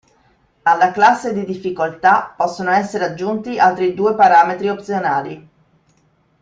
Alla classe di difficoltà possono essere aggiunti altri due parametri opzionali.